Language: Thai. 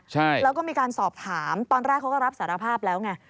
ใช่แล้วก็มีการสอบถามตอนแรกเขาก็รับสารภาพแล้วไง